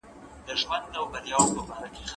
لږکي په هره ټولنه کي ځانګړي حقونه لري.